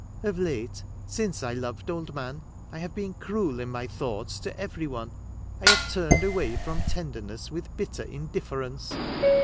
Of late (since I loved, old man), I have been cruel in my thoughts to every one. I have turned away from tender ness with bitter indifference.